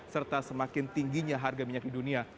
serta semakin tingginya harga minyak di dunia